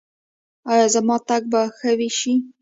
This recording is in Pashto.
ایا زما تګ به ښه شي؟